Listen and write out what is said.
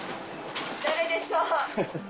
誰でしょう？